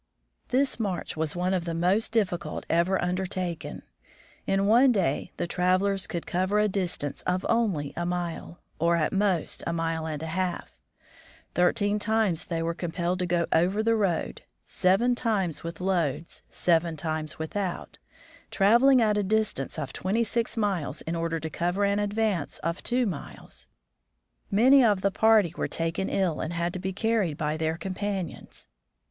This march was one of the most difficult ever under taken. In one day the travelers could cover a distance of only a mile, or at most a mile and a half. Thirteen times they were compelled to go over the road, seven times with loads, six times without, traveling a distance of twenty six miles in order to cover an advance of two miles. Many of the party were taken ill and had to be carried by their companions.